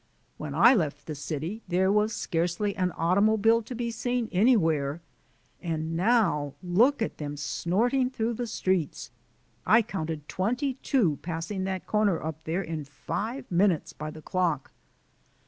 When I left the city there was scarcely an automobile to be seen anywhere and now look at them snorting through the streets. I counted twenty two passing that corner up there in five minutes by the clock."